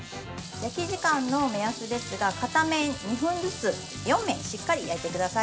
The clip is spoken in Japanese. ◆焼き時間の目安ですが片面２分ずつ４面しっかり焼いてください。